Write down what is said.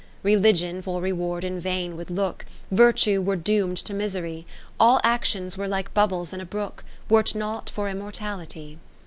XIV Religion for reward in vain would look, Virtue were doom'd to misery, All actions were like bubbles in a brook, Were 't not for Immortality.